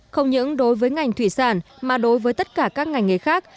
không những đối với ngành thủy sản mà đối với tất cả các ngành nghề khác